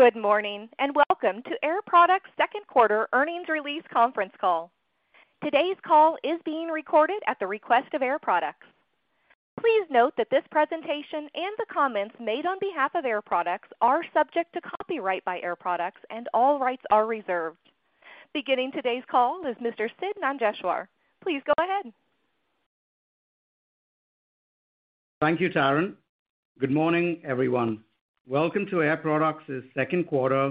Good morning, Welcome to Air Products' Second Quarter Earnings Release Conference Call. Today's call is being recorded at the request of Air Products. Please note that this presentation and the comments made on behalf of Air Products are subject to copyright by Air Products and all rights are reserved. Beginning today's call is Mr. Sidd Manjeshwar. Please go ahead. Thank you, Taryn. Good morning, everyone. Welcome to Air Products' Second quarter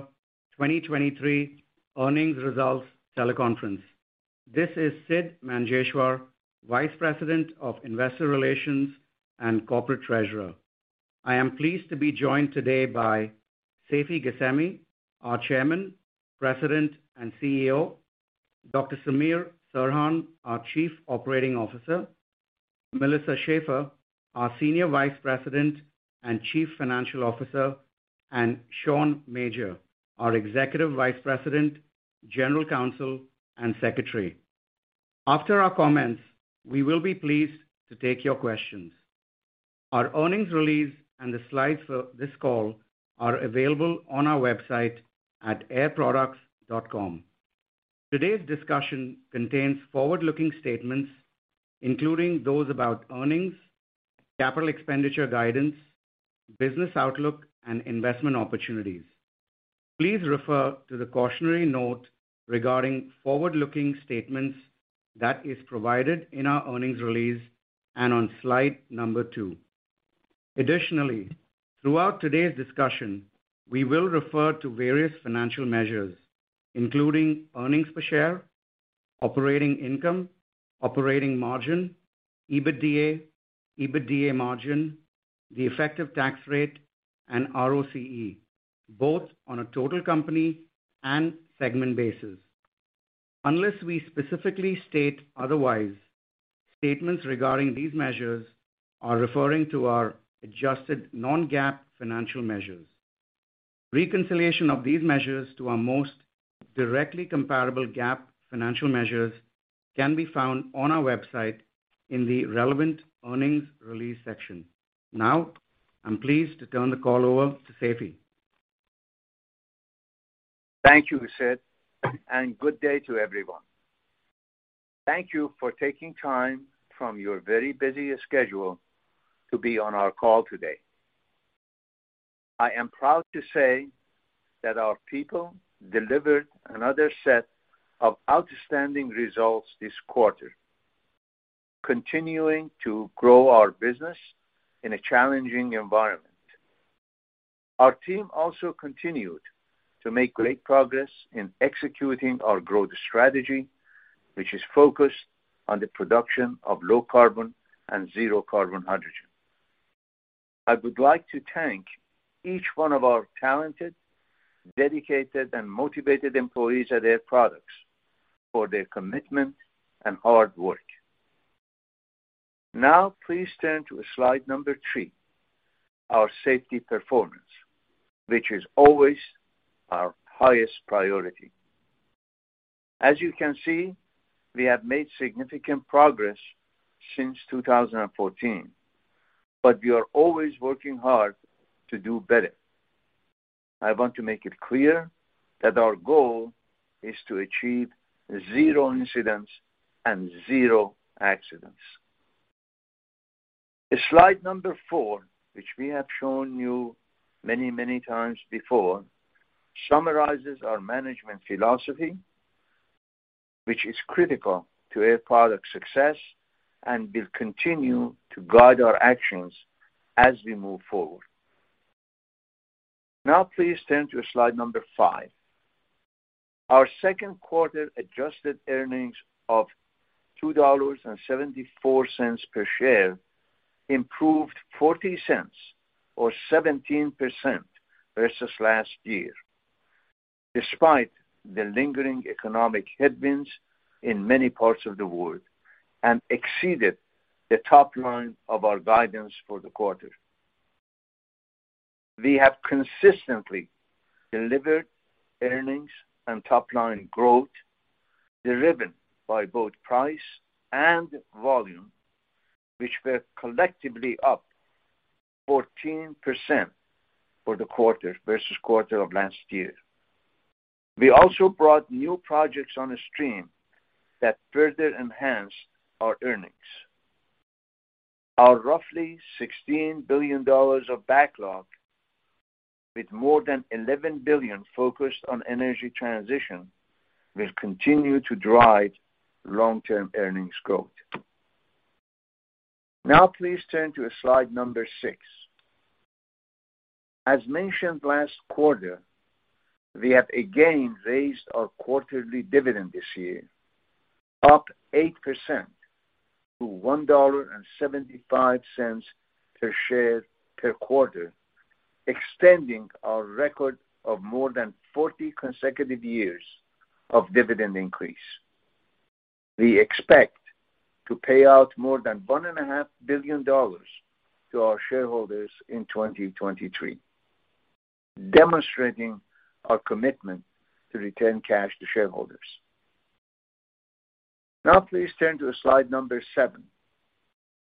2023 Earnings Results Teleconference. This is Sidd Manjeshwar, Vice President of Investor Relations and Corporate Treasurer. I am pleased to be joined today by Seifi Ghasemi, our Chairman, President, and CEO, Dr. Samir Serhan, our Chief Operating Officer, Melissa Schaeffer, our Senior Vice President and Chief Financial Officer, and Sean Major, our Executive Vice President, General Counsel, and Secretary. After our comments, we will be pleased to take your questions. Our earnings release and the slides for this call are available on our website at airproducts.com. Today's discussion contains forward-looking statements, including those about earnings, capital expenditure guidance, business outlook, and investment opportunities. Please refer to the cautionary note regarding forward-looking statements that is provided in our earnings release and on slide 2. Additionally, throughout today's discussion, we will refer to various financial measures, including earnings per share, operating income, operating margin, EBITDA margin, the effective tax rate, and ROCE, both on a total company and segment basis. Unless we specifically state otherwise, statements regarding these measures are referring to our adjusted non-GAAP financial measures. Reconciliation of these measures to our most directly comparable GAAP financial measures can be found on our website in the relevant earnings release section. I'm pleased to turn the call over to Seifi. Thank you, Sidd. Good day to everyone. Thank you for taking time from your very busy schedule to be on our call today. I am proud to say that our people delivered another set of outstanding results this quarter, continuing to grow our business in a challenging environment. Our team also continued to make great progress in executing our growth strategy, which is focused on the production of low carbon and zero carbon hydrogen. I would like to thank each one of our talented, dedicated, and motivated employees at Air Products for their commitment and hard work. Now please turn to slide number three, our safety performance, which is always our highest priority. As you can see, we have made significant progress since 2014, but we are always working hard to do better. I want to make it clear that our goal is to achieve zero incidents and zero accidents. Slide number four, which we have shown you many, many times before, summarizes our management philosophy, which is critical to Air Products' success and will continue to guide our actions as we move forward. Please turn to slide number five. Our 2nd quarter adjusted earnings of $2.74 per share improved $0.40 or 17% versus last year, despite the lingering economic headwinds in many parts of the world and exceeded the top line of our guidance for the quarter. We have consistently delivered earnings and top-line growth driven by both price and volume, which were collectively up 14% for the quarter versus quarter of last year. We also brought new projects on the stream that further enhanced our earnings. Our roughly $16 billion of backlog with more than $11 billion focused on energy transition will continue to drive long-term earnings growth. Please turn to slide number 6. As mentioned last quarter, we have again raised our quarterly dividend this year, up 8% to $1.75 per share per quarter, extending our record of more than 40 consecutive years of dividend increase. We expect to pay out more than $1.5 billion to our shareholders in 2023, demonstrating our commitment to return cash to shareholders. Please turn to slide number 7,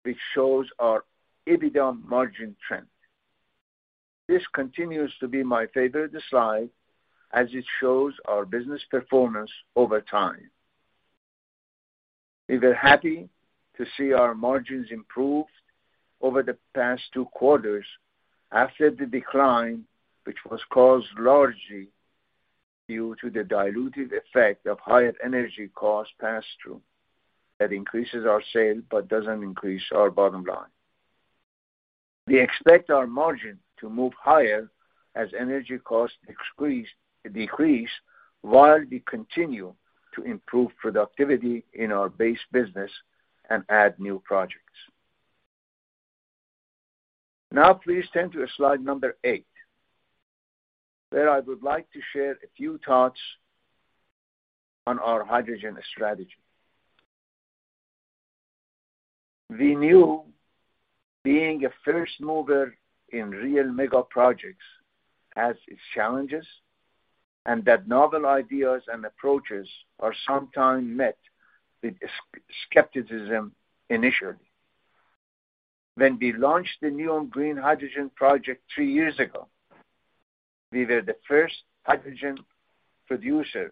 which shows our EBITDA margin trend. This continues to be my favorite slide as it shows our business performance over time. We were happy to see our margins improve over the past two quarters after the decline, which was caused largely due to the dilutive effect of higher energy costs passed through. That increases our sale but doesn't increase our bottom line. We expect our margin to move higher as energy costs decrease while we continue to improve productivity in our base business and add new projects. Now please turn to slide number 8, where I would like to share a few thoughts on our hydrogen strategy. We knew being a 1st mover in real mega projects has its challenges, and that novel ideas and approaches are sometimes met with skepticism initially. When we launched the NEOM Green Hydrogen Project three years ago, we were the 1st hydrogen producer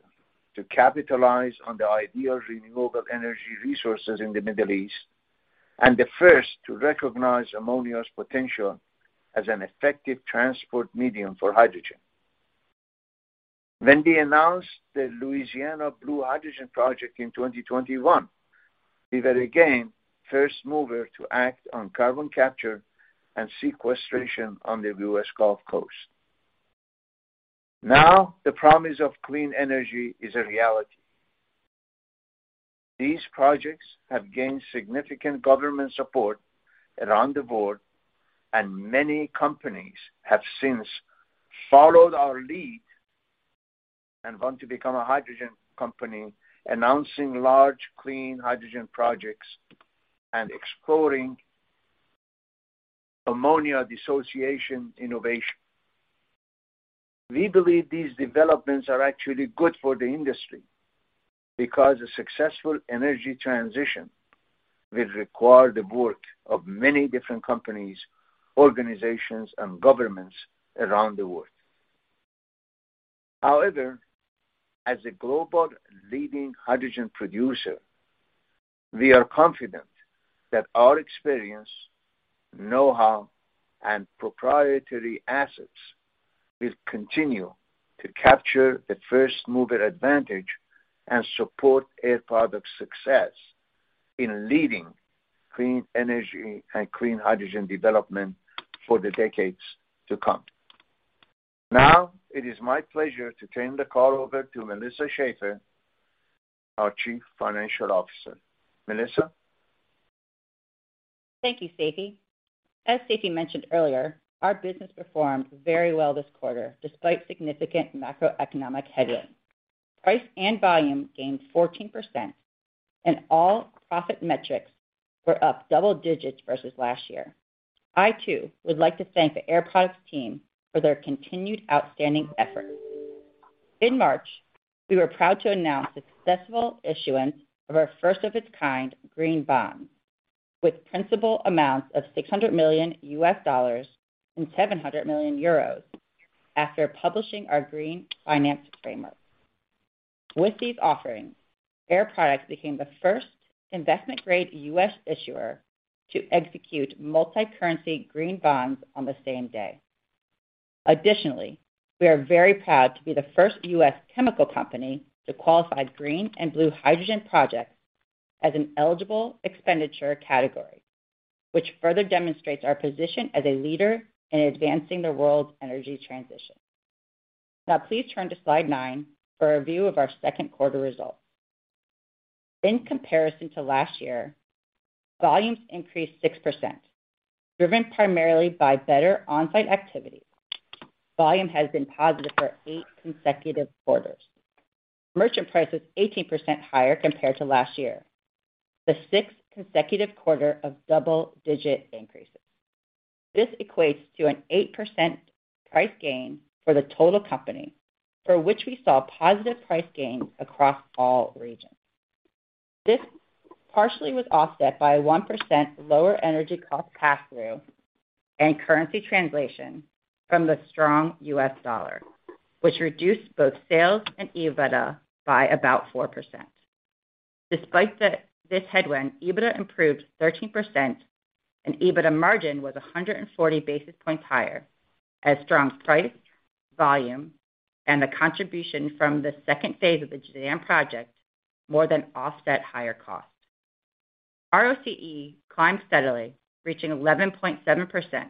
to capitalize on the ideal renewable energy resources in the Middle East and the 1st to recognize ammonia's potential as an effective transport medium for hydrogen. When we announced the Louisiana Clean Energy Complex in 2021, we were again 1st mover to act on carbon capture and sequestration on the U.S. Gulf Coast. The promise of clean energy is a reality. These projects have gained significant government support around the board, and many companies have since followed our lead and want to become a hydrogen company, announcing large clean hydrogen projects and exploring ammonia dissociation innovation. We believe these developments are actually good for the industry because a successful energy transition will require the work of many different companies, organizations, and governments around the world. As a global leading hydrogen producer, we are confident that our experience, know-how, and proprietary assets will continue to capture the 1st-mover advantage and support Air Products' success in leading clean energy and clean hydrogen development for the decades to come. Now, it is my pleasure to turn the call over to Melissa Schaeffer, our Chief Financial Officer. Melissa. Thank you, Seifi. As Seifi mentioned earlier, our business performed very well this quarter despite significant macroeconomic headwinds. Price and volume gained 14% and all profit metrics were up double digits versus last year. I too would like to thank the Air Products team for their continued outstanding effort. In March, we were proud to announce the successful issuance of our 1st of its kind Green Bond with principal amounts of $600 million and 700 million euros after publishing our Green Finance Framework. With these offerings, Air Products became the 1st investment-grade U.S. issuer to execute multicurrency Green Bonds on the same day. We are very proud to be the 1st U.S. chemical company to qualify green and blue hydrogen projects as an eligible expenditure category, which further demonstrates our position as a leader in advancing the world's energy transition. Now please turn to slide 9 for a view of our 2nd quarter results. In comparison to last year, volumes increased 6%, driven primarily by better on-site activity. Volume has been positive for 8 consecutive quarters. Merchant price is 18% higher compared to last year, the sixth consecutive quarter of double-digit increases. This equates to an 8% price gain for the total company, for which we saw positive price gains across all regions. This partially was offset by a 1% lower energy cost pass-through and currency translation from the strong U.S. dollar, which reduced both sales and EBITDA by about 4%. Despite this headwind, EBITDA improved 13% and EBITDA margin was 140 basis points higher as strong price, volume, and the contribution from the phase II of the Jazan project more than offset higher costs. ROCE climbed steadily, reaching 11.7%,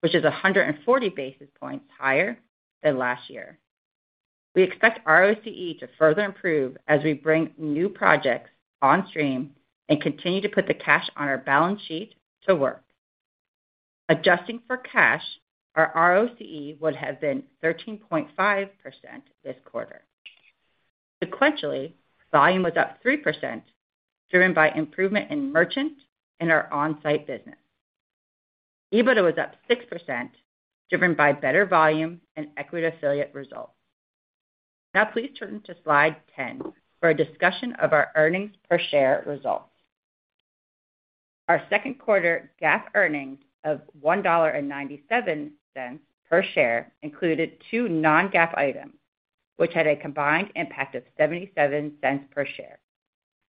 which is 140 basis points higher than last year. We expect ROCE to further improve as we bring new projects on stream and continue to put the cash on our balance sheet to work. Adjusting for cash, our ROCE would have been 13.5% this quarter. Sequentially, volume was up 3% driven by improvement in merchant in our on-site business. EBITDA was up 6%, driven by better volume and equity affiliate results. Please turn to slide 10 for a discussion of our earnings per share results. Our 2nd quarter GAAP earnings of $1.97 per share included 2 non-GAAP items, which had a combined impact of $0.77 per share.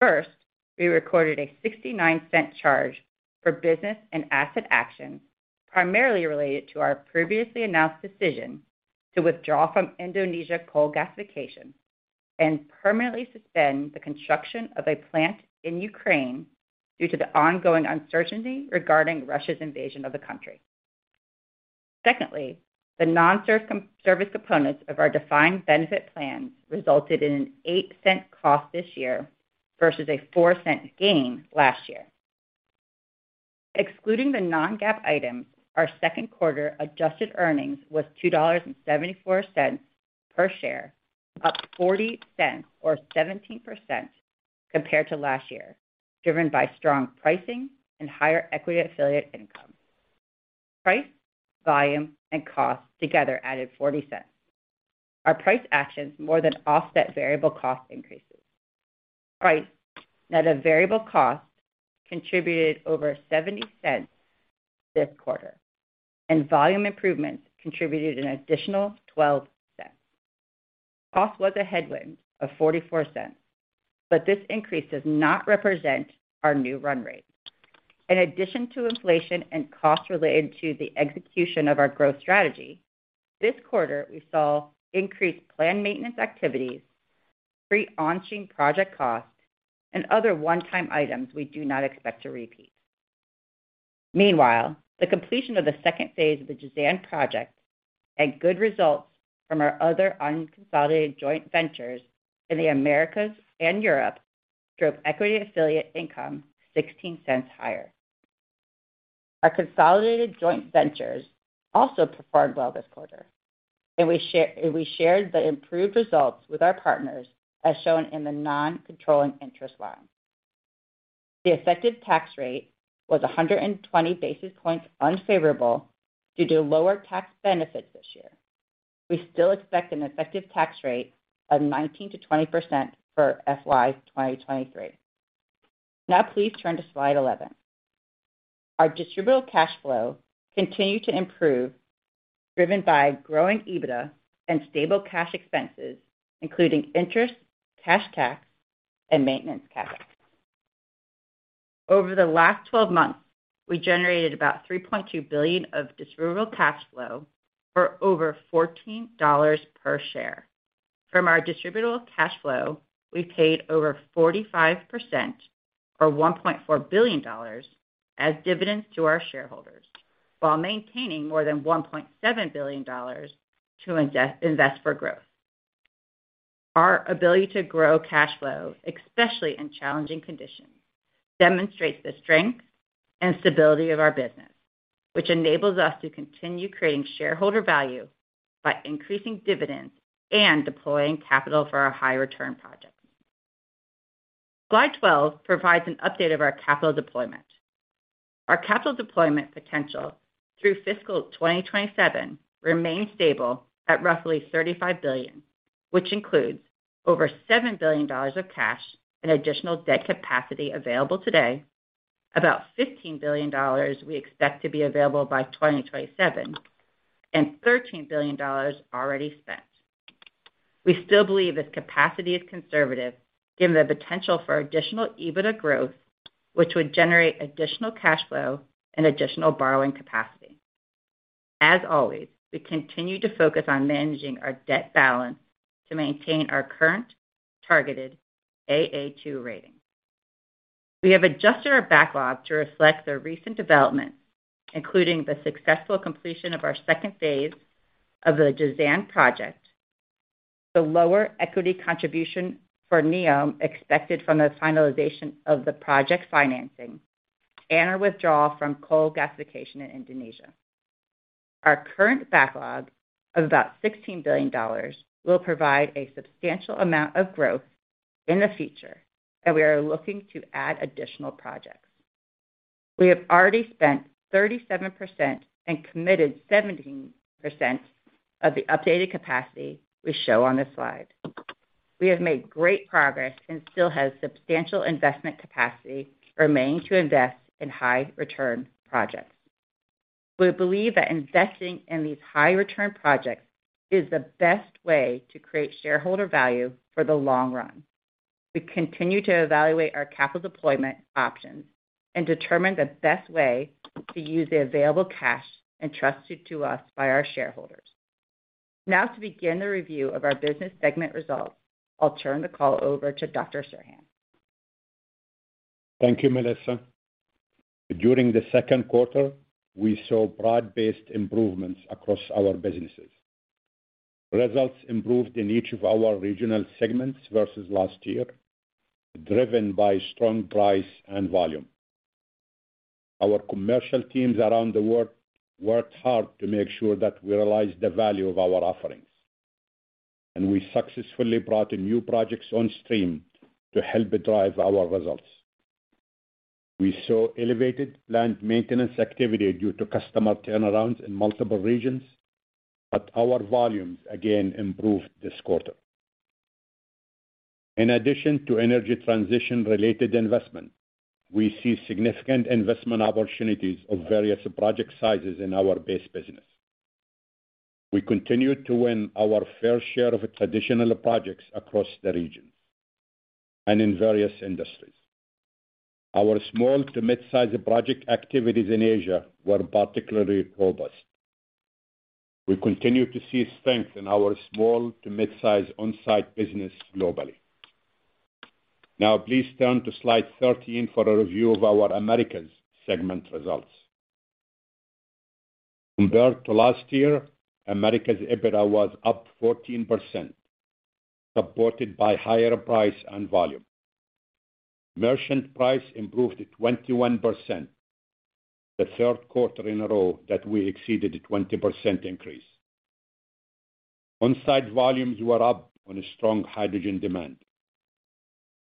First, we recorded a $0.69 charge for business and asset actions, primarily related to our previously announced decision to withdraw from Indonesia coal gasification and permanently suspend the construction of a plant in Ukraine due to the ongoing uncertainty regarding Russia's invasion of the country. Secondly, the non-service components of our defined benefit plan resulted in an $0.08 cost this year versus a $0.04 gain last year. Excluding the non-GAAP item, our 2nd quarter adjusted earnings was $2.74 per share, up $0.40 or 17% compared to last year, driven by strong pricing and higher equity affiliate income. Price, volume, and cost together added $0.40. Our price actions more than offset variable cost increases. Price net of variable cost contributed over $0.70 this quarter, and volume improvements contributed an additional $0.12. Cost was a headwind of $0.44. This increase does not represent our new run rate. In addition to inflation and costs related to the execution of our growth strategy, this quarter we saw increased planned maintenance activities, pre-onshing project costs, and other one-time items we do not expect to repeat. Meanwhile, the completion of phase II of the Jazan project and good results from our other unconsolidated joint ventures in the Americas and Europe drove equity affiliate income $0.16 higher. Our consolidated joint ventures also performed well this quarter, and we shared the improved results with our partners, as shown in the non-controlling interest line. The effective tax rate was 120 basis points unfavorable due to lower tax benefits this year. We still expect an effective tax rate of 19%-20% for FY 2023. Please turn to slide 11. Our distributable cash flow continued to improve, driven by growing EBITDA and stable cash expenses, including interest, cash tax, and maintenance CapEx. Over the last 12 months, we generated about $3.2 billion of distributable cash flow for over $14 per share. From our distributable cash flow, we paid over 45%, or $1.4 billion as dividends to our shareholders while maintaining more than $1.7 billion to invest for growth. Our ability to grow cash flow, especially in challenging conditions, demonstrates the strength and stability of our business, which enables us to continue creating shareholder value by increasing dividends and deploying capital for our high return projects. Slide 12 provides an update of our capital deployment. Our capital deployment potential through fiscal 2027 remains stable at roughly $35 billion, which includes over $7 billion of cash and additional debt capacity available today, about $15 billion we expect to be available by 2027, and $13 billion already spent. We still believe this capacity is conservative given the potential for additional EBITDA growth, which would generate additional cash flow and additional borrowing capacity. As always, we continue to focus on managing our debt balance to maintain our current targeted A2 rating. We have adjusted our backlog to reflect the recent developments, including the successful completion of phase II of the Jazan project, the lower equity contribution for NEOM expected from the finalization of the project financing, and our withdrawal from coal gasification in Indonesia. Our current backlog of about $16 billion will provide a substantial amount of growth in the future. We are looking to add additional projects. We have already spent 37% and committed 17% of the updated capacity we show on this slide. We have made great progress and still have substantial investment capacity remaining to invest in high return projects. We believe that investing in these high return projects is the best way to create shareholder value for the long run. We continue to evaluate our capital deployment options and determine the best way to use the available cash entrusted to us by our shareholders. To begin the review of our business segment results, I'll turn the call over to Dr. Serhan. Thank you, Melissa. During the 2nd quarter, we saw broad-based improvements across our businesses. Results improved in each of our regional segments versus last year, driven by strong price and volume. Our commercial teams around the world worked hard to make sure that we realize the value of our offerings. We successfully brought new projects on stream to help drive our results. We saw elevated plant maintenance activity due to customer turnarounds in multiple regions, Our volumes again improved this quarter. In addition to energy transition-related investment, we see significant investment opportunities of various project sizes in our base business. We continued to win our fair share of traditional projects across the region and in various industries. Our small to mid-size project activities in Asia were particularly robust. We continue to see strength in our small to mid-size on-site business globally. Now please turn to slide 13 for a review of our Americas segment results. Compared to last year, Americas EBITDA was up 14%, supported by higher price and volume. Merchant price improved 21%, the 3rd quarter in a row that we exceeded a 20% increase. On-site volumes were up on a strong hydrogen demand.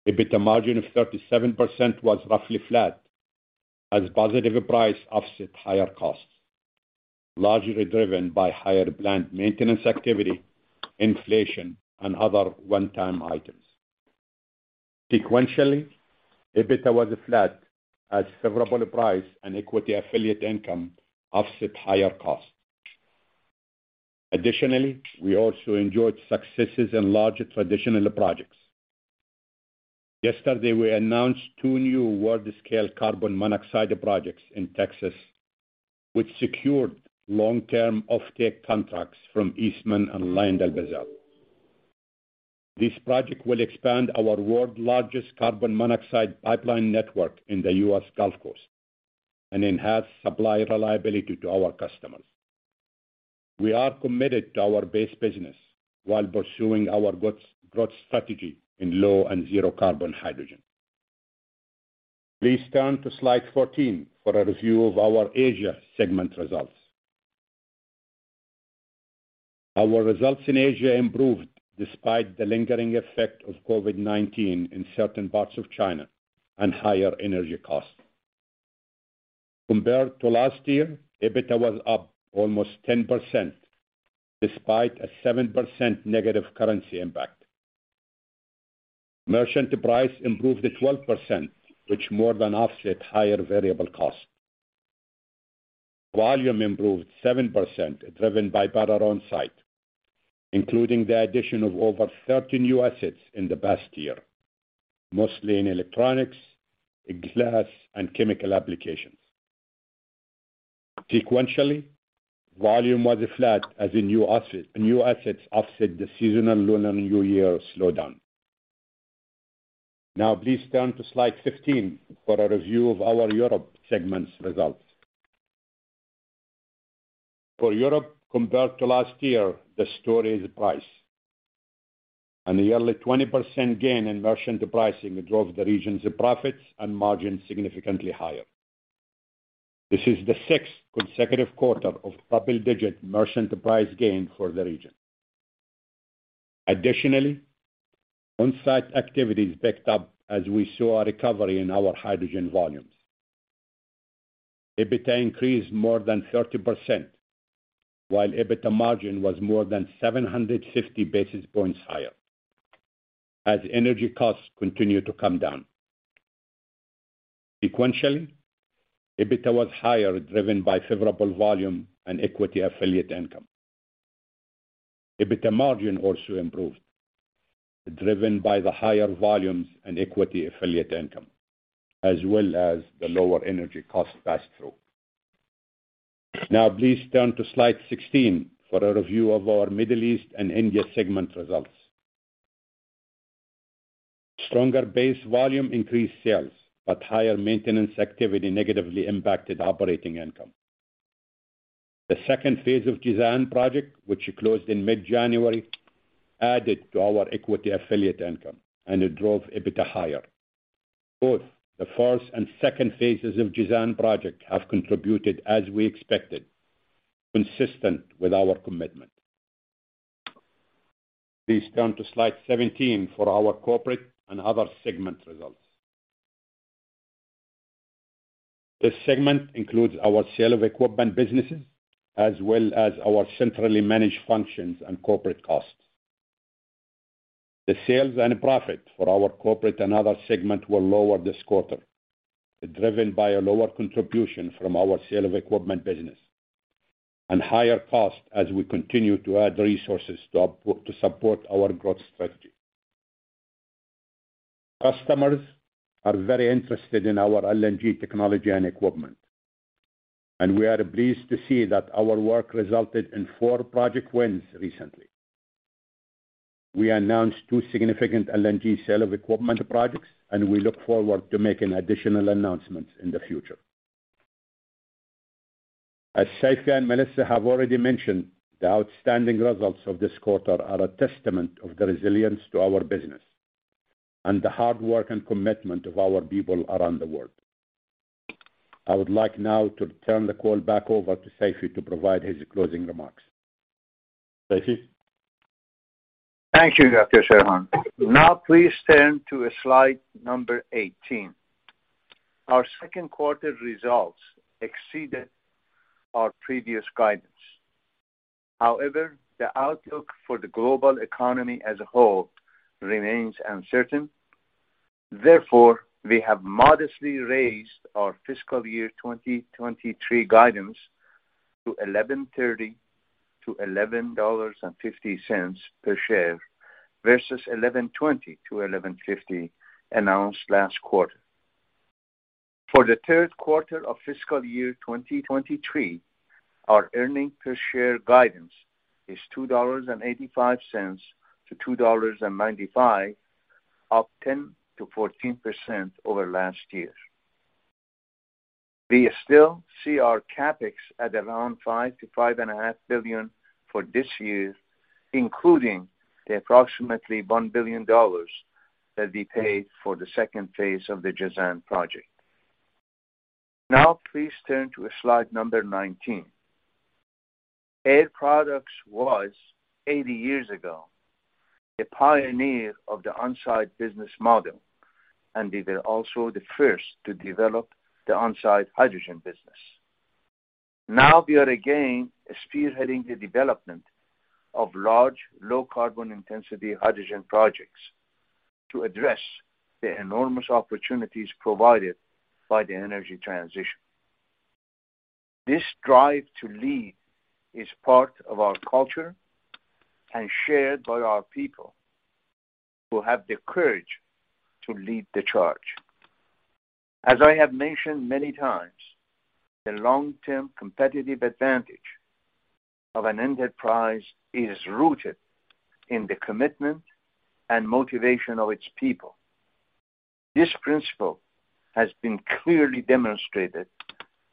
EBITDA margin of 37% was roughly flat as positive price offset higher costs, largely driven by higher plant maintenance activity, inflation, and other one-time items. Sequentially, EBITDA was flat as favorable price and equity affiliate income offset higher costs. Additionally, we also enjoyed successes in larger traditional projects. Yesterday, we announced two new world-scale carbon monoxide projects in Texas, which secured long-term offtake contracts from Eastman and LyondellBasell. This project will expand our world largest carbon monoxide pipeline network in the U.S. Gulf Coast and enhance supply reliability to our customers. We are committed to our base business while pursuing our growth strategy in low and zero carbon hydrogen. Please turn to slide 14 for a review of our Asia segment results. Our results in Asia improved despite the lingering effect of COVID-19 in certain parts of China and higher energy costs. Compared to last year, EBITDA was up almost 10% despite a 7% negative currency impact. Merchant price improved 12%, which more than offset higher variable costs. Volume improved 7%, driven by better on-site, including the addition of over 30 new assets in the past year, mostly in electronics, glass, and chemical applications. Sequentially, volume was flat as the new assets offset the seasonal Lunar New Year slowdown. Please turn to slide 15 for a review of our Europe segments results. For Europe compared to last year, the story is price. A yearly 20% gain in merchant pricing drove the region's profits and margins significantly higher. This is the sixth consecutive quarter of double-digit merchant price gain for the region. Additionally, on-site activities picked up as we saw a recovery in our hydrogen volumes. EBITDA increased more than 30%, while EBITDA margin was more than 750 basis points higher as energy costs continue to come down. Sequentially, EBITDA was higher, driven by favorable volume and equity affiliate income. EBITDA margin also improved, driven by the higher volumes and equity affiliate income, as well as the lower energy cost pass-through. Please turn to slide 16 for a review of our Middle East and India segment results. Stronger base volume increased sales, but higher maintenance activity negatively impacted operating income. Phase II of Jazan project, which closed in mid-January, added to our equity affiliate income. It drove EBITDA higher. Both the 1st phase II of Jazan project have contributed as we expected, consistent with our commitment. Please turn to slide 17 for our corporate and other segment results. This segment includes our sale of equipment businesses, as well as our centrally managed functions and corporate costs. The sales and profit for our corporate and other segment were lower this quarter, driven by a lower contribution from our sale of equipment business and higher costs as we continue to add resources to support our growth strategy. Customers are very interested in our LNG technology and equipment. We are pleased to see that our work resulted in four project wins recently. We announced two significant LNG sale of equipment projects. We look forward to making additional announcements in the future. As Seifi and Melissa have already mentioned, the outstanding results of this quarter are a testament of the resilience to our business and the hard work and commitment of our people around the world. I would like now to turn the call back over to Seifi to provide his closing remarks. Seifi? Thank you, Dr. Serhan. Now please turn to slide number 18. Our 2nd quarter results exceeded our previous guidance. However, the outlook for the global economy as a whole remains uncertain. Therefore, we have modestly raised our fiscal year 2023 guidance to $11.30-$11.50 per share, versus $11.20-$11.50 announced last quarter. For the third quarter of fiscal year 2023, our earning per share guidance is $2.85-$2.95, up 10%-14% over last year. We still see our CapEx at around $5 billion-$5.5 billion for this year, including the approximately $1 billion that we paid for phase II of the Jazan project. Now, please turn to slide number 19. Air Products was, 80 years ago, a pioneer of the on-site business model, and we were also the 1st to develop the on-site hydrogen business. We are again spearheading the development of large, low carbon intensity hydrogen projects to address the enormous opportunities provided by the energy transition. This drive to lead is part of our culture and shared by our people, who have the courage to lead the charge. As I have mentioned many times, the long-term competitive advantage of an enterprise is rooted in the commitment and motivation of its people. This principle has been clearly demonstrated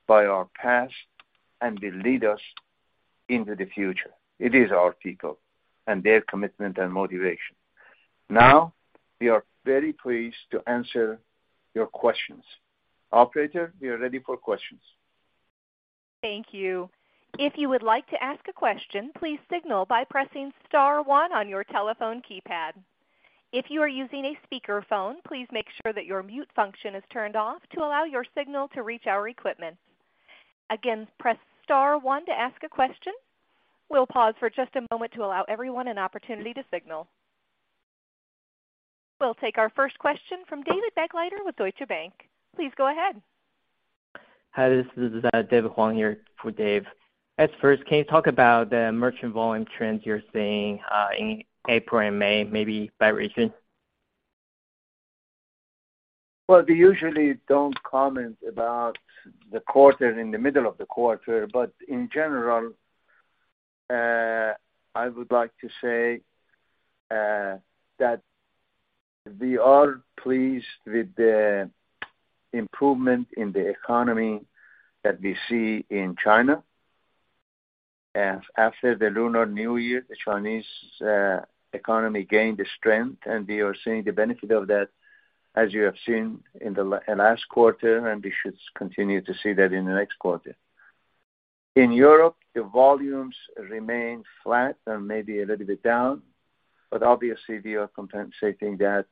by our past and will lead us into the future. It is our people and their commitment and motivation. We are very pleased to answer your questions. Operator, we are ready for questions. Thank you. If you would like to ask a question, please signal by pressing star one on your telephone keypad. If you are using a speakerphone, please make sure that your mute function is turned off to allow your signal to reach our equipment. Again, press star one to ask a question. We'll pause for just a moment to allow everyone an opportunity to signal. We'll take our 1st question from David Begleiter with Deutsche Bank. Please go ahead. Hi, this is David Huang here for Dave. At 1st, can you talk about the merchant volume trends you're seeing, in April and May, maybe by region? Well, we usually don't comment about the quarter in the middle of the quarter, but in general, I would like to say that we are pleased with the improvement in the economy that we see in China. As after the Lunar New Year, the Chinese economy gained strength, and we are seeing the benefit of that as you have seen in the last quarter, and we should continue to see that in the next quarter. In Europe, the volumes remain flat and maybe a little bit down, but obviously we are compensating that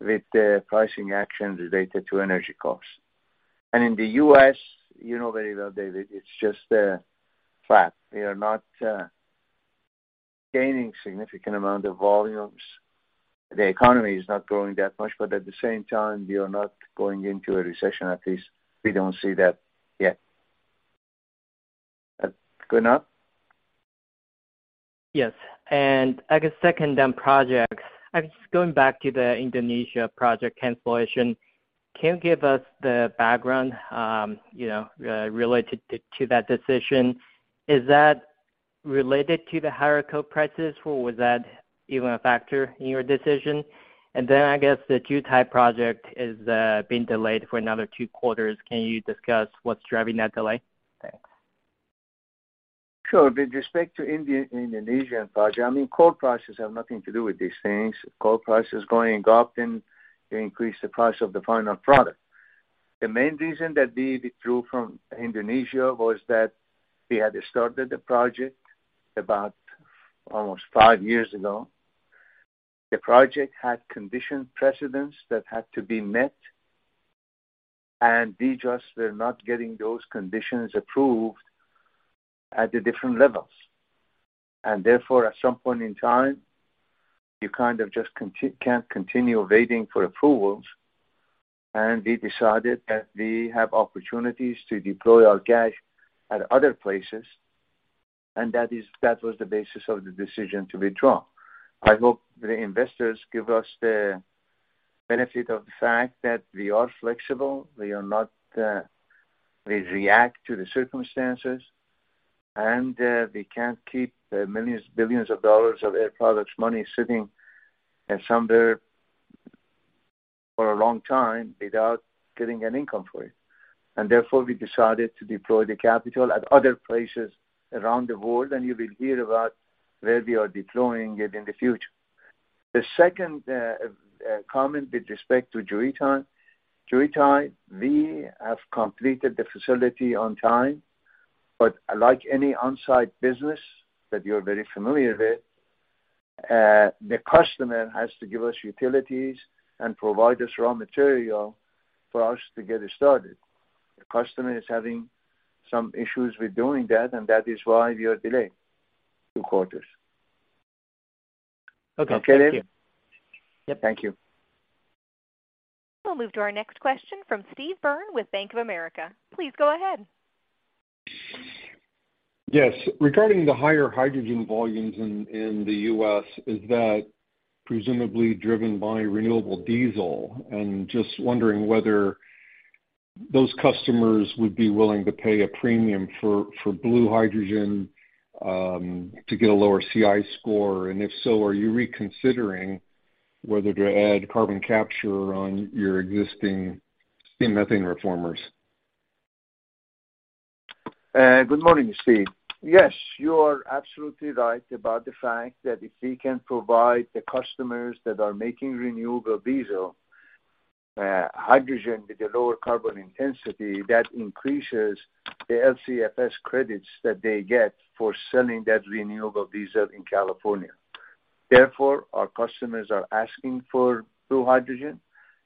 with the pricing actions related to energy costs. In the U.S., you know very well, David, it's just flat. We are not gaining significant amount of volumes. The economy is not growing that much, but at the same time, we are not going into a recession. At least we don't see that yet. Good enough? Yes. I guess 2nd, on projects. I'm just going back to the Indonesia project cancellation. Can you give us the background, you know, related to that decision? Is that related to the higher coal prices, or was that even a factor in your decision? Then I guess the Jubail project is being delayed for another two quarters. Can you discuss what's driving that delay? Thanks. Sure. With respect to Indonesia project, I mean, coal prices have nothing to do with these things. Coal prices going up can increase the price of the final product. The main reason that we withdrew from Indonesia was that we had started the project about almost five years ago. The project had condition precedents that had to be met, and we just were not getting those conditions approved at the different levels. Therefore, at some point in time, you kind of just can't continue waiting for approvals. We decided that we have opportunities to deploy our cash at other places, and that was the basis of the decision to withdraw. I hope the investors give us the benefit of the fact that we are flexible. We are not, we react to the circumstances, and we can't keep millions, billions of dollars of Air Products money sitting in somewhere for a long time without getting an income for it. Therefore, we decided to deploy the capital at other places around the world. You will hear about where we are deploying it in the future. The 2nd comment with respect to Jazan. Jazan, we have completed the facility on time, like any on-site business that you're very familiar with, the customer has to give us utilities and provide us raw material for us to get it started. The customer is having some issues with doing that, and that is why we are delayed 2 quarters. Okay. Thank you. Okay, Dan? Yep. Thank you. We'll move to our next question from Steve Byrne with Bank of America. Please go ahead. Yes. Regarding the higher hydrogen volumes in the U.S., is that presumably driven by renewable diesel? Just wondering whether those customers would be willing to pay a premium for blue hydrogen, to get a lower CI score. If so, are you reconsidering whether to add carbon capture on your existing steam methane reformers? Good morning, Steve. Yes, you are absolutely right about the fact that if we can provide the customers that are making renewable diesel, hydrogen with a lower carbon intensity, that increases the LCFS credits that they get for selling that renewable diesel in California. Our customers are asking for blue hydrogen,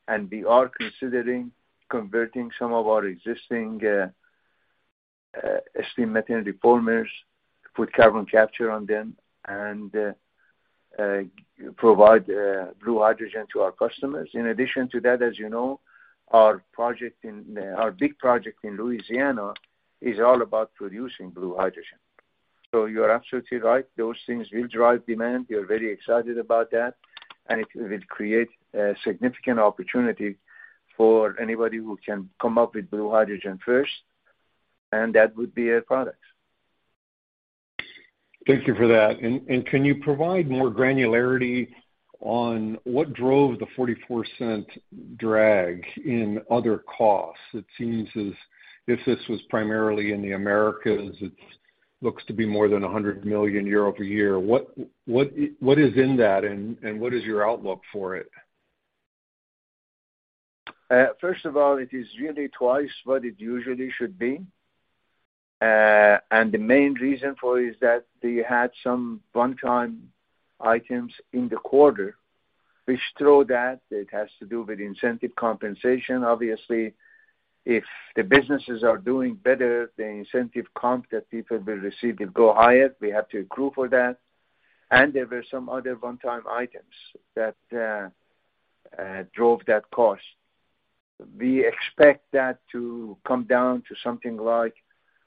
and we are considering converting some of our existing steam methane reformers to put carbon capture on them and provide blue hydrogen to our customers. In addition to that, as you know, Our big project in Louisiana is all about producing blue hydrogen. You are absolutely right. Those things will drive demand. We are very excited about that, and it will create a significant opportunity for anybody who can come up with blue hydrogen 1st, and that would be Air Products. Thank you for that. Can you provide more granularity on what drove the $0.44 drag in other costs? It seems as if this was primarily in the Americas. It looks to be more than $100 million year-over-year. What is in that and what is your outlook for it? First of all, it is really twice what it usually should be. The main reason for it is that we had some one-time items in the quarter, which throw that. It has to do with incentive compensation, obviously. If the businesses are doing better, the incentive comp that people will receive will go higher. We have to accrue for that. There were some other one-time items that drove that cost. We expect that to come down to something like,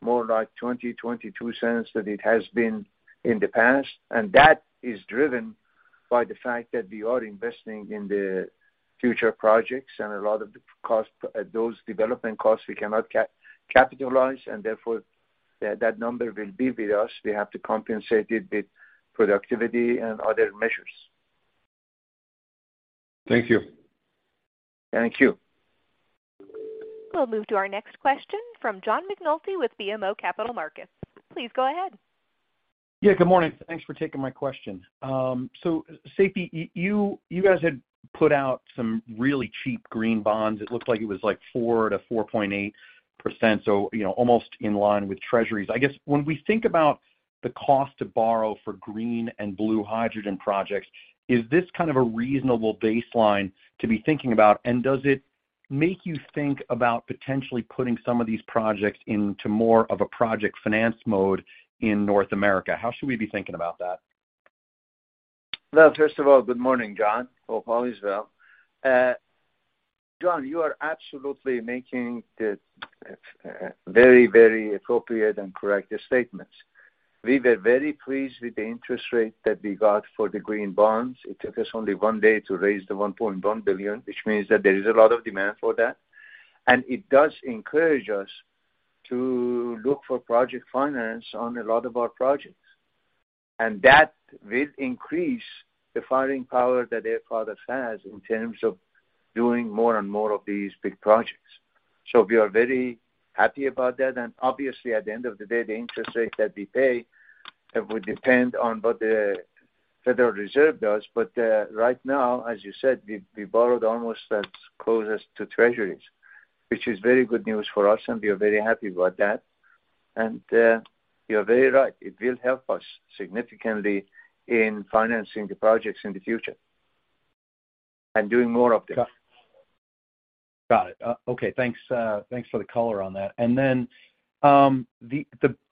more like $0.20-$0.22 that it has been in the past, and that is driven by the fact that we are investing in the future projects and a lot of the cost, those development costs, we cannot capitalize, and therefore, that number will be with us. We have to compensate it with productivity and other measures. Thank you. Thank you. We'll move to our next question from John McNulty with BMO Capital Markets. Please go ahead. Yeah, good morning. Thanks for taking my question. Seifi, you guys had put out some really cheap Green Bonds. It looked like it was like 4%-4.8%, you know, almost in line with treasuries. I guess when we think about the cost to borrow for green and blue hydrogen projects, is this kind of a reasonable baseline to be thinking about? Does it make you think about potentially putting some of these projects into more of a project finance mode in North America? How should we be thinking about that? First of all, good morning, John. Hope all is well. John, you are absolutely making the very, very appropriate and correct statements. We were very pleased with the interest rate that we got for the Green Bonds. It took us only 1 day to raise the $1.1 billion, which means that there is a lot of demand for that. It does encourage us to look for project finance on a lot of our projects. That will increase the firing power that Air Products has in terms of doing more and more of these big projects. We are very happy about that. Obviously, at the end of the day, the interest rate that we pay, it would depend on what the Federal Reserve does. Right now, as you said, we borrowed almost as close as to Treasuries, which is very good news for us, and we are very happy about that. You're very right, it will help us significantly in financing the projects in the future and doing more of this. Got it. Okay, thanks for the color on that. The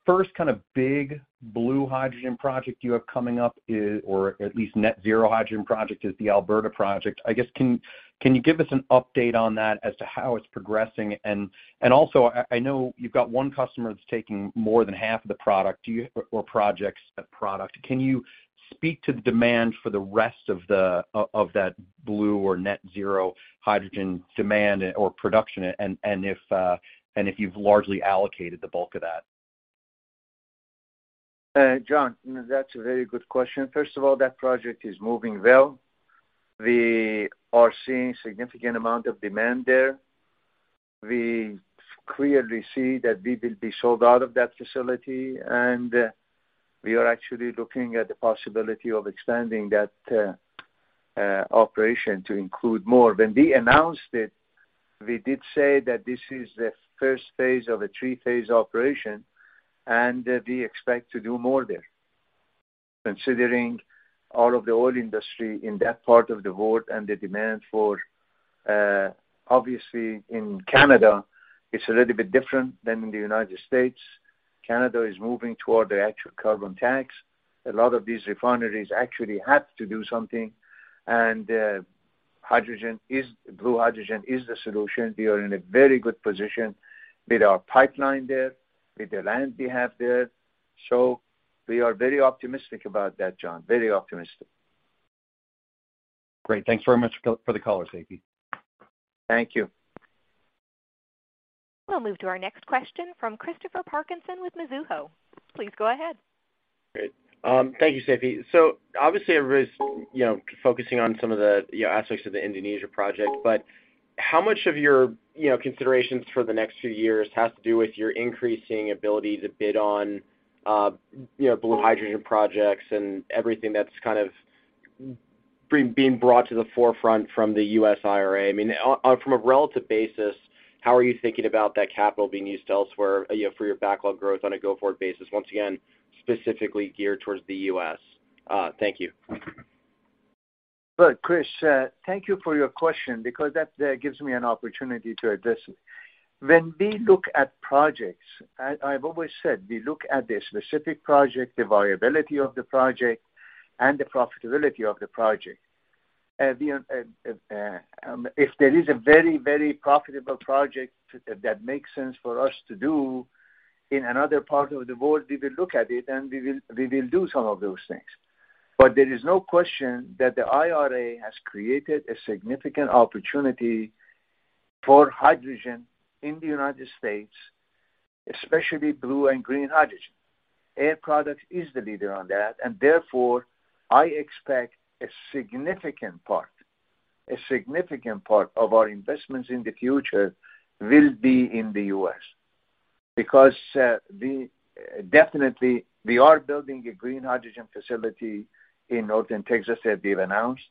1st kind of big blue hydrogen project you have coming up is, or at least net zero hydrogen project is the Alberta project. I guess can you give us an update on that as to how it's progressing? Also, I know you've got one customer that's taking more than half of the product. or projects of product. Can you speak to the demand for the rest of that blue or net zero hydrogen demand or production and if, and if you've largely allocated the bulk of that? John, that's a very good question. First of all, that project is moving well. We are seeing significant amount of demand there. We clearly see that we will be sold out of that facility. We are actually looking at the possibility of expanding that operation to include more. When we announced it, we did say that this is the phase I of a phase III operation. We expect to do more there. Considering all of the oil industry in that part of the world and the demand for obviously in Canada, it's a little bit different than in the United States. Canada is moving toward the actual carbon tax. A lot of these refineries actually have to do something. Blue hydrogen is the solution. We are in a very good position with our pipeline there, with the land we have there. We are very optimistic about that, John. Very optimistic. Great. Thanks very much for the color, Seifi. Thank you. We'll move to our next question from Christopher Parkinson with Mizuho. Please go ahead. Great. Thank you, Seifi. Obviously, everybody's, you know, focusing on some of the, you know, aspects of the Indonesia project, but how much of your, you know, considerations for the next few years has to do with your increasing ability to bid on, you know, blue hydrogen projects and everything that's kind of being brought to the forefront from the U.S. IRA? I mean, from a relative basis, how are you thinking about that capital being used elsewhere, you know, for your backlog growth on a go-forward basis? Once again, specifically geared towards the U.S. Thank you. Look, Chris, thank you for your question because that gives me an opportunity to address it. When we look at projects, I've always said we look at the specific project, the viability of the project, and the profitability of the project. We, if there is a very, very profitable project that makes sense for us to do in another part of the world, we will look at it and we will do some of those things. There is no question that the IRA has created a significant opportunity for hydrogen in the United States, especially blue and green hydrogen. Air Products is the leader on that, and therefore, I expect a significant part of our investments in the future will be in the U.S. We are building a green hydrogen facility in northern Texas that we've announced.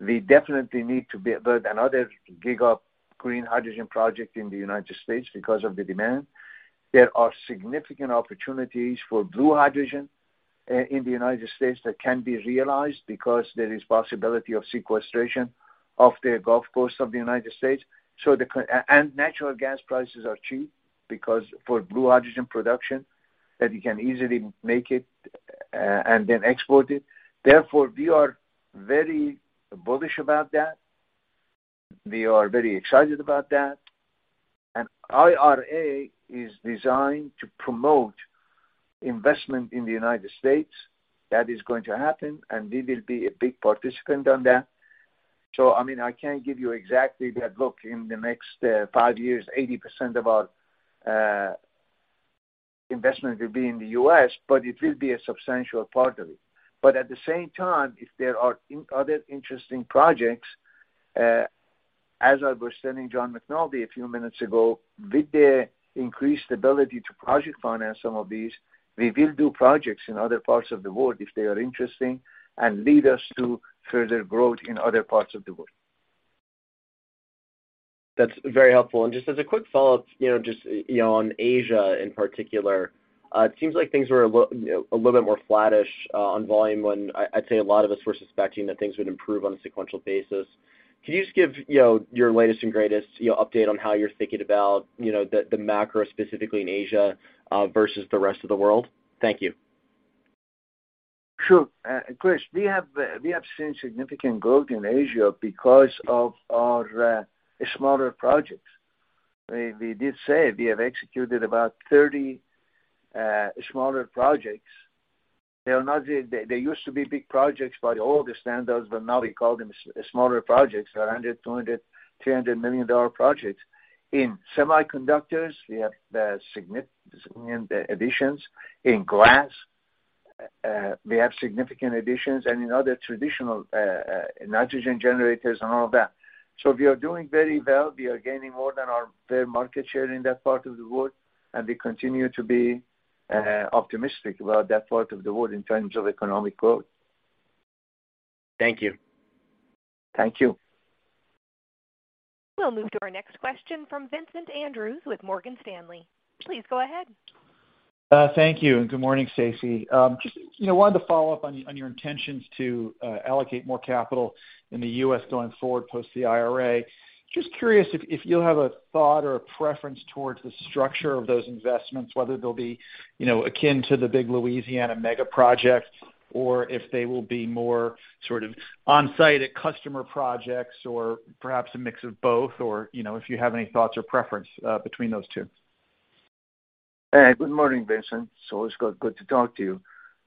We definitely need to build another gig of green hydrogen project in the United States because of the demand. There are significant opportunities for blue hydrogen in the United States that can be realized because there is possibility of sequestration off the Gulf Coast of the United States. Natural gas prices are cheap because for blue hydrogen production, that you can easily make it and then export it. We are very bullish about that. We are very excited about that. IRA is designed to promote investment in the United States. That is going to happen, and we will be a big participant on that. I mean, I can't give you exactly that, look, in the next 5 years, 80% of our investment will be in the U.S., but it will be a substantial part of it. At the same time, if there are in other interesting projects, as I was telling John McNulty a few minutes ago, with the increased ability to project finance some of these, we will do projects in other parts of the world if they are interesting and lead us to further growth in other parts of the world. That's very helpful. Just as a quick follow-up, you know, just, you know, on Asia in particular, it seems like things were a little bit more flattish on volume when I'd say a lot of us were suspecting that things would improve on a sequential basis. Can you just give, you know, your latest and greatest, you know, update on how you're thinking about, you know, the macro specifically in Asia versus the rest of the world? Thank you. Sure. Chris, we have seen significant growth in Asia because of our smaller projects. We did say we have executed about 30 smaller projects. They are not. They used to be big projects by the older standards, but now we call them smaller projects, $100 million, $200 million, $300 million projects. In semiconductors, we have significant additions. In glass, we have significant additions and in other traditional nitrogen generators and all that. We are doing very well. We are gaining more than our fair market share in that part of the world, and we continue to be optimistic about that part of the world in terms of economic growth. Thank you. Thank you. We'll move to our next question from Vincent Andrews with Morgan Stanley. Please go ahead. Thank you, and good morning, Seifi. Just, you know, wanted to follow up on your intentions to allocate more capital in the U.S. going forward post the IRA. Just curious if you'll have a thought or a preference towards the structure of those investments, whether they'll be, you know, akin to the big Louisiana mega projects or if they will be more sort of on-site at customer projects or perhaps a mix of both or, you know, if you have any thoughts or preference between those two. Good morning, Vincent. It's always good to talk to you.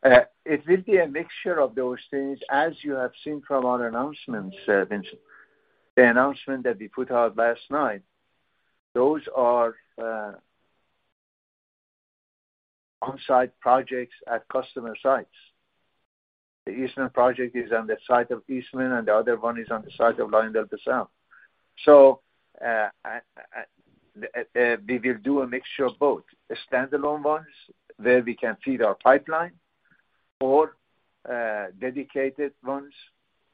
It will be a mixture of those things, as you have seen from our announcements, Vincent. The announcement that we put out last night, those are on-site projects at customer sites. The Eastman project is on the site of Eastman, and the other one is on the site of LyondellBasell. We will do a mixture of both. The standalone ones where we can feed our pipeline or dedicated ones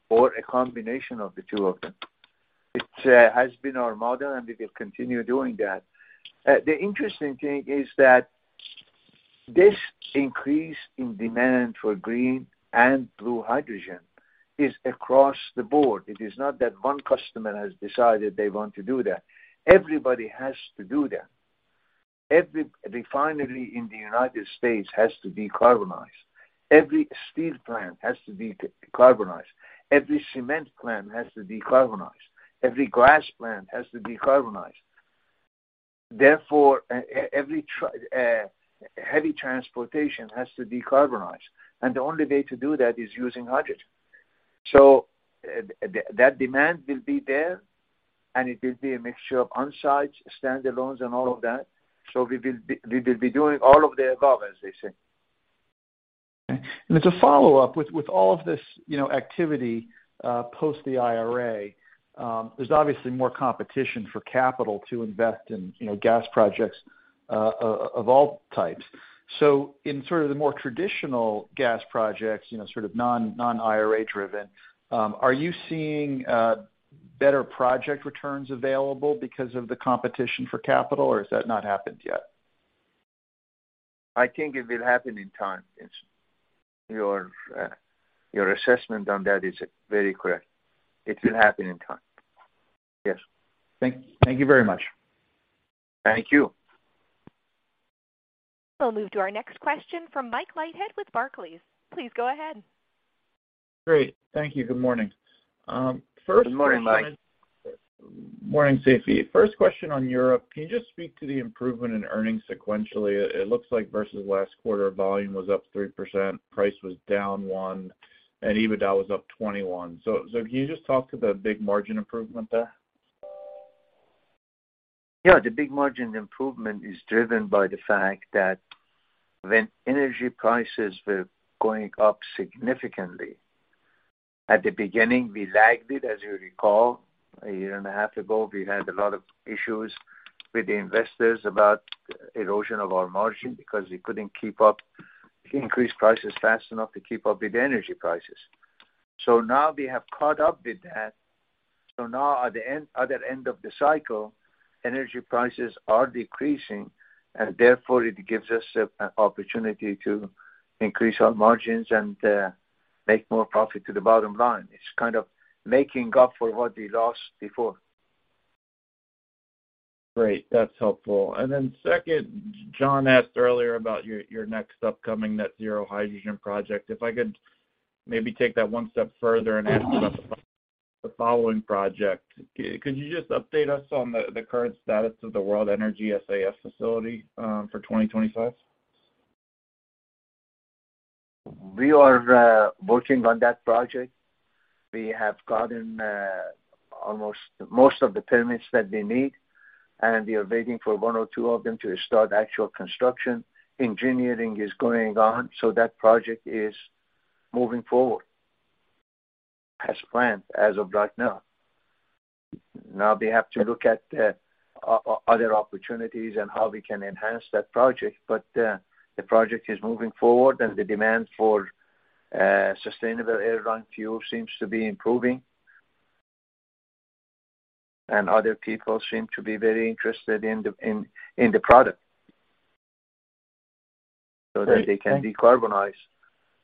or a combination of the two of them. It has been our model, and we will continue doing that. The interesting thing is that this increase in demand for green and blue hydrogen is across the board. It is not that one customer has decided they want to do that. Everybody has to do that. Every refinery in the United States has to decarbonize. Every steel plant has to decarbonize. Every cement plant has to decarbonize. Every glass plant has to decarbonize. Heavy transportation has to decarbonize, the only way to do that is using hydrogen. That demand will be there, it will be a mixture of on-site, standalones, and all of that. We will be doing all of the above, as they say. Okay. As a follow-up, with all of this, you know, activity post the IRA, there's obviously more competition for capital to invest in, you know, gas projects of all types. In sort of the more traditional gas projects, you know, sort of non-IRA driven, are you seeing better project returns available because of the competition for capital, or has that not happened yet? I think it will happen in time, yes. Your assessment on that is very correct. It will happen in time. Yes. Thank you very much. Thank you. We'll move to our next question from Mike Leithead with Barclays. Please go ahead. Great. Thank you. Good morning. Good morning, Mike. Morning, Seifi. First question on Europe. Can you just speak to the improvement in earnings sequentially? It looks like versus last quarter, volume was up 3%, price was down 1%, and EBITDA was up 21%. Can you just talk to the big margin improvement there? The big margin improvement is driven by the fact that when energy prices were going up significantly, at the beginning, we lagged it, as you recall. A year and a half ago, we had a lot of issues with the investors about erosion of our margin because we couldn't keep up, increase prices fast enough to keep up with the energy prices. Now we have caught up with that. Now at the other end of the cycle, energy prices are decreasing, and therefore it gives us an opportunity to increase our margins and make more profit to the bottom line. It's kind of making up for what we lost before. Great. That's helpful. Second, John asked earlier about your next upcoming net zero hydrogen project. If I could maybe take that one step further and ask about the following project. Could you just update us on the current status of the World Energy SAF facility for 2025? We are working on that project. We have gotten almost most of the permits that we need, and we are waiting for one or two of them to start actual construction. Engineering is going on. That project is moving forward as planned as of right now. Now we have to look at other opportunities and how we can enhance that project. The project is moving forward, and the demand for sustainable aviation fuel seems to be improving. Other people seem to be very interested in the product so that they can decarbonize.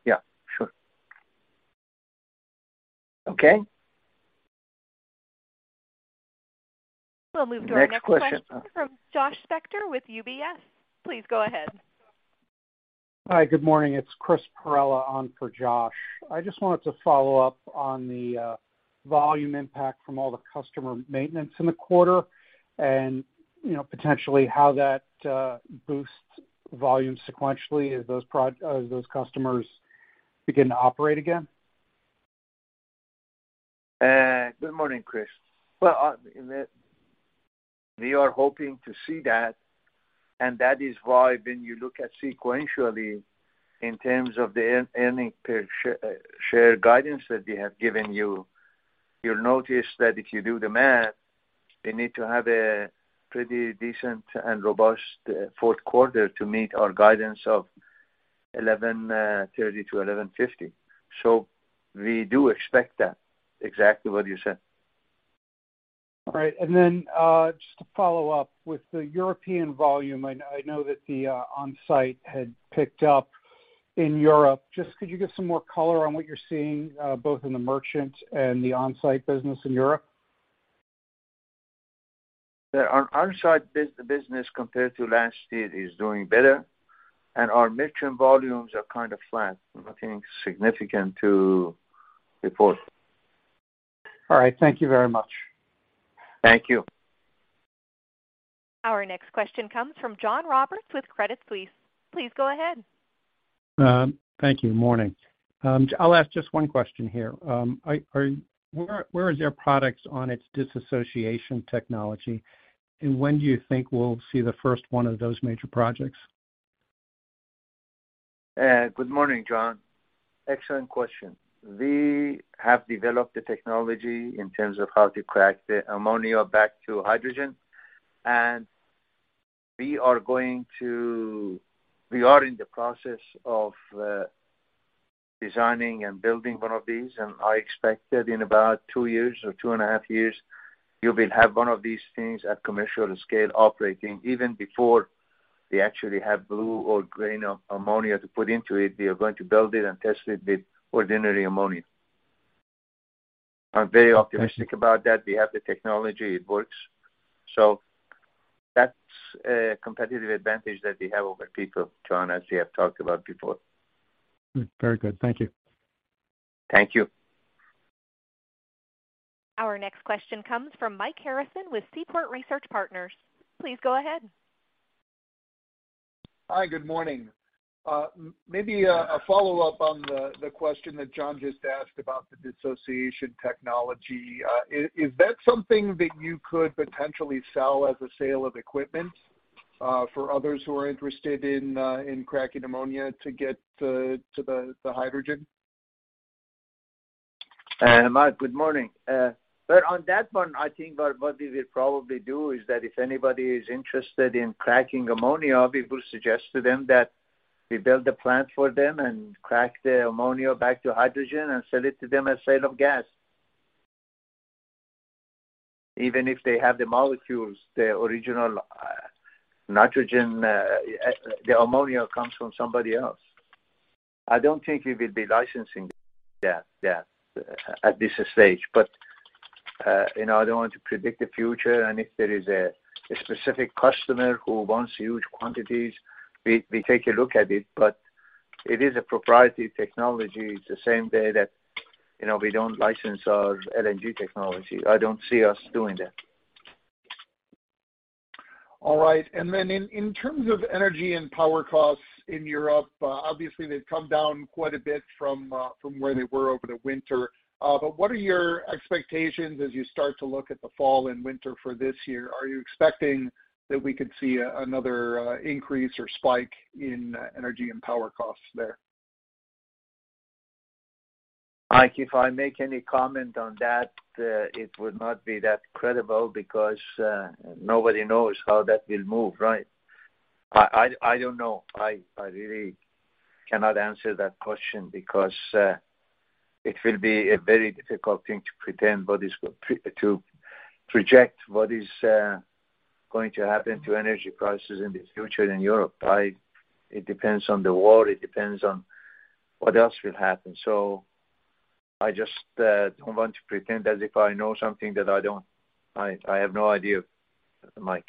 Great. Thank you. Yeah, sure. Okay. We'll move to our next question. Next question. from Josh Spector with UBS. Please go ahead. Hi. Good morning. It's Chris Perrella on for Josh. I just wanted to follow up on the volume impact from all the customer maintenance in the quarter and, you know, potentially how that boosts volume sequentially as those customers begin to operate again. Good morning, Chris. Well, we are hoping to see that, and that is why when you look at sequentially in terms of the earning per share guidance that we have given you'll notice that if you do the math, we need to have a pretty decent and robust fourth quarter to meet our guidance of $11.30-$11.50. We do expect that, exactly what you said. All right. Just to follow up with the European volume, I know that the on-site had picked up in Europe. Just could you give some more color on what you're seeing, both in the merchant and the on-site business in Europe? The on-site bus-business compared to last year is doing better, and our merchant volumes are kind of flat. Nothing significant to report. All right. Thank you very much. Thank you. Our next question comes from John Roberts with Credit Suisse. Please go ahead. Thank you. Morning. I'll ask just one question here. Where is Air Products on its disassociation technology? When do you think we'll see the 1st one of those major projects? Good morning, John. Excellent question. We have developed the technology in terms of how to crack the ammonia back to hydrogen. We are in the process of designing and building one of these, and I expect that in about 2 years or 2.5 years, you will have one of these things at commercial scale operating. Even before we actually have blue or green ammonia to put into it, we are going to build it and test it with ordinary ammonia. I'm very optimistic about that. We have the technology, it works. That's a competitive advantage that we have over people, John, as we have talked about before. Very good. Thank you. Thank you. Our next question comes from Mike Harrison with Seaport Research Partners. Please go ahead. Hi, good morning. Maybe a follow-up on the question that John just asked about the dissociation technology. Is that something that you could potentially sell as a sale of equipment for others who are interested in cracking ammonia to get to the hydrogen? Mike, good morning. Well, on that one, I think what we will probably do is that if anybody is interested in cracking ammonia, we will suggest to them that we build the plant for them and crack the ammonia back to hydrogen and sell it to them as sale of gas. Even if they have the molecules, the original nitrogen, the ammonia comes from somebody else. I don't think we will be licensing that, yeah, at this stage. You know, I don't want to predict the future. If there is a specific customer who wants huge quantities, we take a look at it, but it is a proprietary technology. It's the same way that, you know, we don't license our LNG technology. I don't see us doing that. All right. In terms of energy and power costs in Europe, obviously, they've come down quite a bit from where they were over the winter. What are your expectations as you start to look at the fall and winter for this year? Are you expecting that we could see another increase or spike in energy and power costs there? Mike, if I make any comment on that, it would not be that credible because nobody knows how that will move, right? I don't know. I really cannot answer that question because it will be a very difficult thing to pretend to project what is going to happen to energy prices in the future in Europe, right? It depends on the war, it depends on what else will happen. I just don't want to pretend as if I know something that I don't. I have no idea, Mike.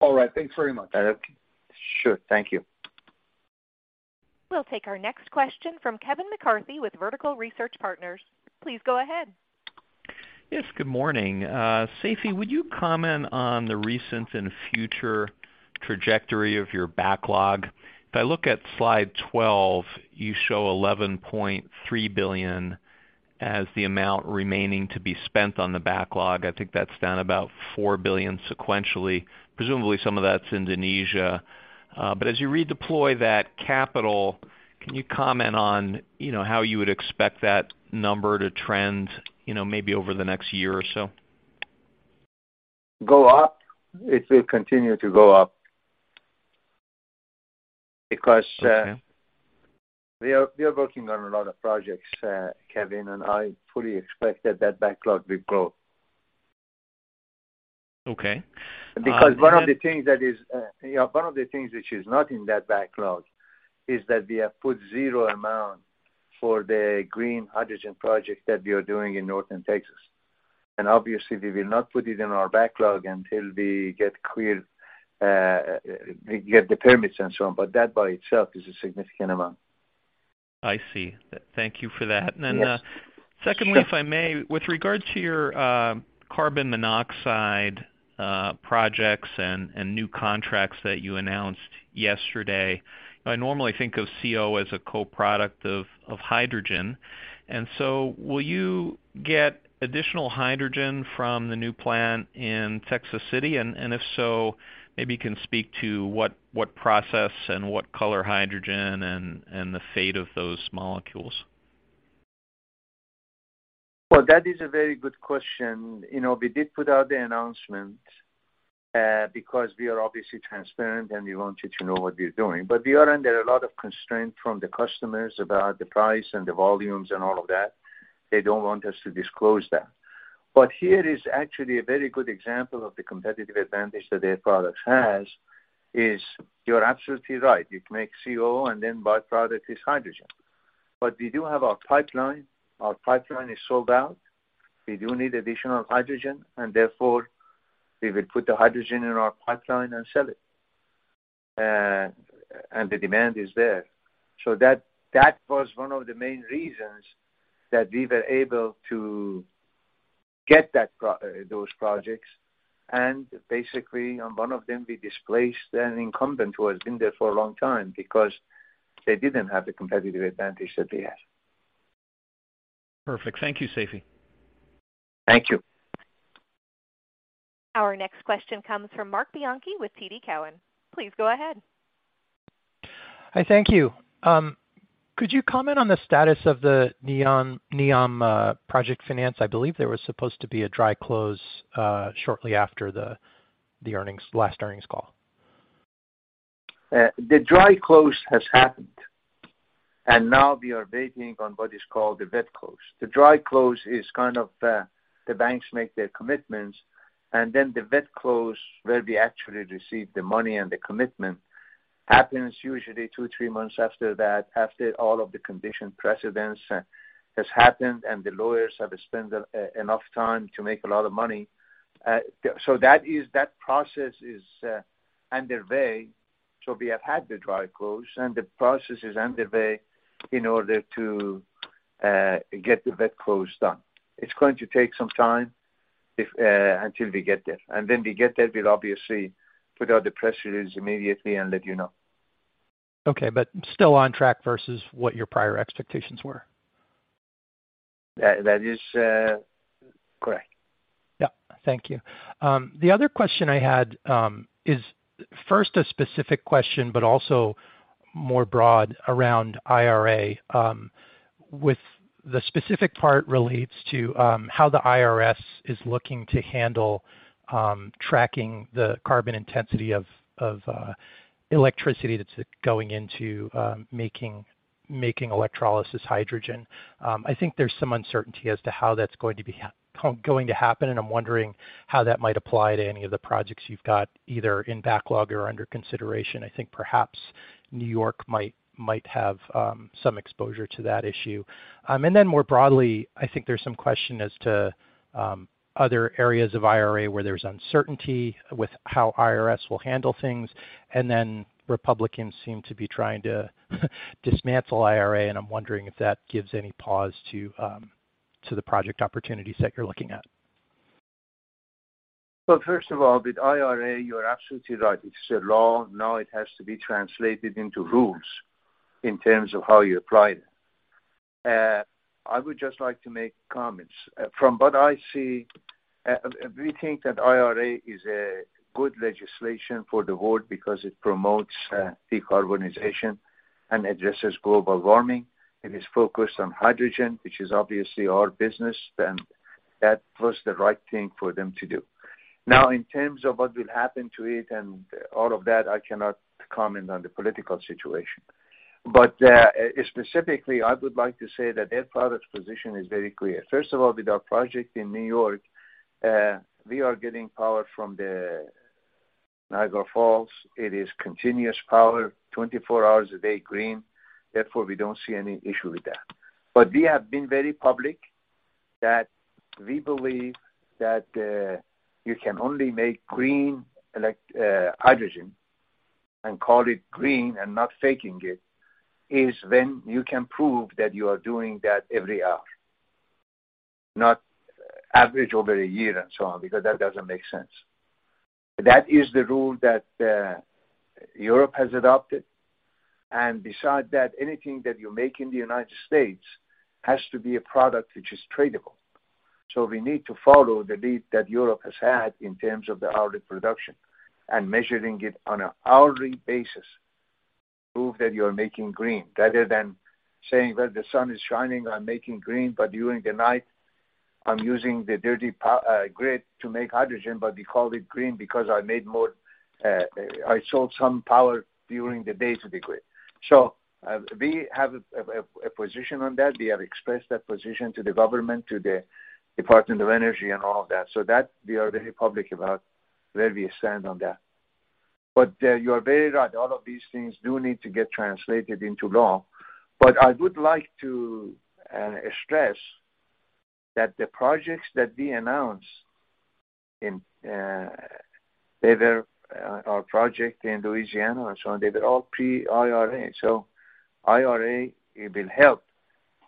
All right. Thanks very much. Okay. Sure. Thank you. We'll take our next question from Kevin McCarthy with Vertical Research Partners. Please go ahead. Yes, good morning. Seifi, would you comment on the recent and future trajectory of your backlog? If I look at slide 12, you show $11.3 billion as the amount remaining to be spent on the backlog. I think that's down about $4 billion sequentially. Presumably, some of that's Indonesia. As you redeploy that capital, can you comment on, you know, how you would expect that number to trend, you know, maybe over the next year or so? Go up. It will continue to go up. Okay. We are working on a lot of projects, Kevin, I fully expect that that backlog will grow. Okay. Because one of the things that is, one of the things which is not in that backlog is that we have put 0 amount for the green hydrogen project that we are doing in northern Texas. Obviously, we will not put it in our backlog until we get cleared, get the permits and so on. That by itself is a significant amount. I see. Thank you for that. Yes. Secondly, if I may, with regard to your carbon monoxide projects and new contracts that you announced yesterday. I normally think of CO as a co-product of hydrogen. Will you get additional hydrogen from the new plant in Texas City? If so, maybe you can speak to what process and what color hydrogen and the fate of those molecules. Well, that is a very good question. You know, we did put out the announcement because we are obviously transparent, and we want you to know what we're doing. We are under a lot of constraint from the customers about the price and the volumes and all of that. They don't want us to disclose that. Here is actually a very good example of the competitive advantage that Air Products has, is you're absolutely right. It makes CO, and then byproduct is hydrogen. We do have our pipeline. Our pipeline is sold out. We do need additional hydrogen, and therefore, we will put the hydrogen in our pipeline and sell it. The demand is there. That was one of the main reasons that we were able to get those projects. Basically on one of them, we displaced an incumbent who has been there for a long time because they didn't have the competitive advantage that we had. Perfect. Thank you, Seifi Ghasemi. Thank you. Our next question comes from Marc Bianchi with TD Cowen. Please go ahead. Hi, thank you. Could you comment on the status of the NEOM project finance? I believe there was supposed to be a dry close shortly after the last earnings call? The dry close has happened. Now we are waiting on what is called the wet close. The dry close is kind of, the banks make their commitments, and then the wet close, where we actually receive the money and the commitment, happens usually two, three months after that, after all of the condition precedents has happened and the lawyers have spent enough time to make a lot of money. That process is underway. So we have had the dry close, and the process is underway in order to get the wet close done. It's going to take some time until we get there. When we get there, we'll obviously put out the press release immediately and let you know. Okay, still on track versus what your prior expectations were. That is correct. Thank you. The other question I had is 1st a specific question, but also more broad around IRA. The specific part relates to how the IRS is looking to handle tracking the carbon intensity of electricity that's going into making electrolysis hydrogen. I think there's some uncertainty as to how that's going to be going to happen, and I'm wondering how that might apply to any of the projects you've got either in backlog or under consideration. I think perhaps New York might have some exposure to that issue. More broadly, I think there's some question as to other areas of IRA where there's uncertainty with how IRS will handle things. Republicans seem to be trying to dismantle IRA, and I'm wondering if that gives any pause to the project opportunities that you're looking at? Well, 1st of all, with IRA, you're absolutely right. It's a law. It has to be translated into rules in terms of how you apply it. I would just like to make comments. From what I see, we think that IRA is a good legislation for the world because it promotes decarbonization and addresses global warming. It is focused on hydrogen, which is obviously our business, and that was the right thing for them to do. In terms of what will happen to it and all of that, I cannot comment on the political situation. Specifically, I would like to say that Air Products' position is very clear. First of all, with our project in New York, we are getting power from the Niagara Falls. It is continuous power, 24 hours a day, green. We don't see any issue with that. We have been very public that we believe that you can only make green hydrogen and call it green and not faking it, is when you can prove that you are doing that every hour, not average over a year and so on, because that doesn't make sense. That is the rule that Europe has adopted. Besides that, anything that you make in the United States has to be a product which is tradable. We need to follow the lead that Europe has had in terms of the hourly production and measuring it on an hourly basis to prove that you're making green, rather than saying, "Well, the sun is shining, I'm making green, but during the night I'm using the dirty grid to make hydrogen, but we call it green because I made more, I sold some power during the day to the grid." We have a position on that. We have expressed that position to the government, to the Department of Energy and all of that, so that we are very public about where we stand on that. You are very right. All of these things do need to get translated into law. I would like to stress that the projects that we announce in, whether our project in Louisiana and so on, they were all pre-IRA. IRA, it will help,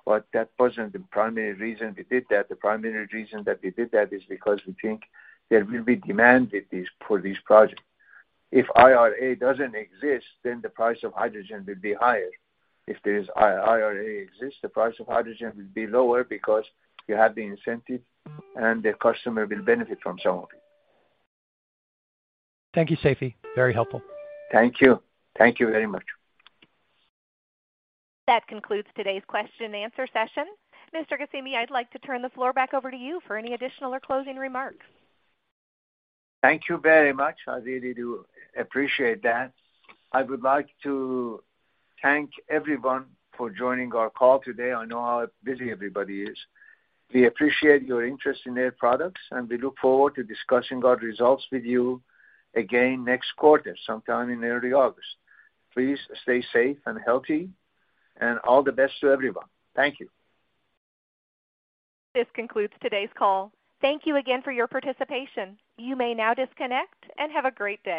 but that wasn't the primary reason we did that. The primary reason that we did that is because we think there will be demand for these projects. If IRA doesn't exist, the price of hydrogen will be higher. If IRA exists, the price of hydrogen will be lower because you have the incentive, and the customer will benefit from some of it. Thank you, Seifi. Very helpful. Thank you. Thank you very much. That concludes today's question and answer session. Mr. Ghasemi, I'd like to turn the floor back over to you for any additional or closing remarks. Thank you very much. I really do appreciate that. I would like to thank everyone for joining our call today. I know how busy everybody is. We appreciate your interest in Air Products, and we look forward to discussing our results with you again next quarter, sometime in early August. Please stay safe and healthy, and all the best to everyone. Thank you. This concludes today's call. Thank you again for your participation. You may now disconnect and have a great day.